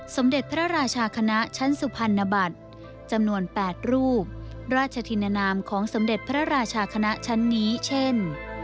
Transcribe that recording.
สมเด็จพระราชาคณะชั้นสุพรรณบัตรจำนวน๘รูปราชธินนามของสมเด็จพระราชาคณะชั้นนี้เช่น